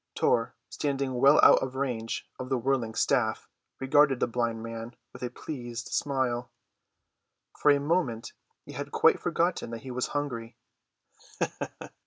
Tor, standing well out of range of the whirling staff, regarded the blind man with a pleased smile. For the moment he had quite forgotten that he was hungry.